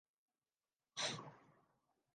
سڑک کے کنارے پتھروں کا ایک جھرمٹ تھا